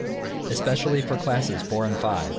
ESPECIALLY FOR CLASSES IV. AND V.